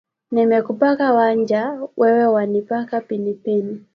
Nimekupaka wanja, wewe wanipaka pilipili